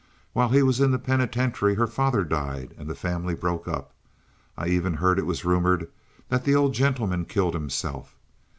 "While he was in the penitentiary her father died and the family broke up. I even heard it rumored that the old gentleman killed himself."